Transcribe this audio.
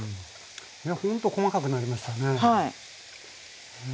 ほんと細かくなりましたね。